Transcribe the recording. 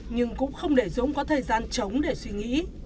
nhưng cũng không để dũng có thời gian chống để suy nghĩ